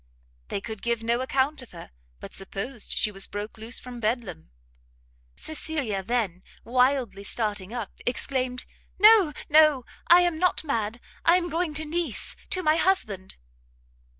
They could give no account of her, but supposed she was broke loose from Bedlam. Cecilia then, wildly starting up, exclaimed, "No, no, I am not mad, I am going to Nice to my husband."